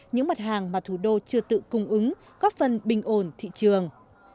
những mặt hàng mà thủ đô chưa tự cung ứng góp phần bình ổn thị trường